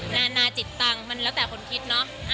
นานาจิตตังค์มันแล้วแต่คนคิดเนาะ